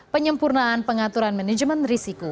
penyempurnaan pengaturan manajemen risiko